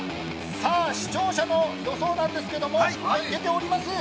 ◆さあ視聴者の予想なんですけれども、出ております。